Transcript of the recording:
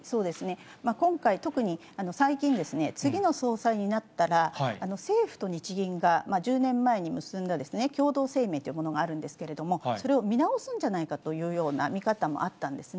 今回、特に最近、次の総裁になったら、政府と日銀が１０年前に結んだ共同声明というものがあるんですけれども、それを見直すんじゃないかというような見方もあったんですね。